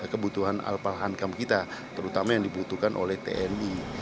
kebutuhan alpalhankam kita terutama yang dibutuhkan oleh tni